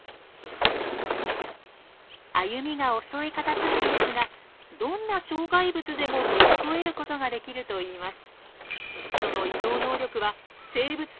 歩みが遅いカタツムリですがどんな障害物でも乗り越えることができるといいます。